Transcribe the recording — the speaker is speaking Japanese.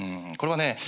これはね